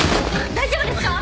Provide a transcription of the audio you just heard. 大丈夫ですか？